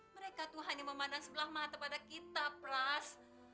mereka tuh hanya memandang sebelah mata pada kita pras